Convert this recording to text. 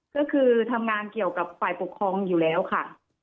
ก็คือทำงานเกี่ยวกับฝ่ายปกครองอยู่แล้วค่ะ